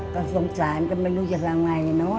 ก็สงสารก็ไม่รู้จะทำไงเนอะ